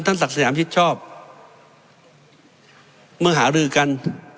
ศักดิ์สยามชิดชอบเมื่อหารือกัน